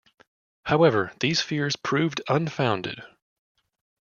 However these fears proved unfounded.